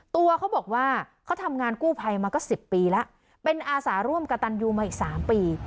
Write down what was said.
ตัวเขาบอกว่าเขาทำงานกู้ภัยมาก็๑๐ปีแล้วเป็นอาสาร่วมกระตันยูมาอีก๓ปี